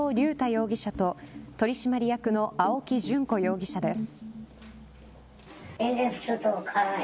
容疑者と取締役の青木淳子容疑者です。